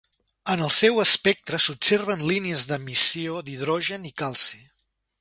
En el seu espectre s'observen línies d'emissió d'hidrogen i calci.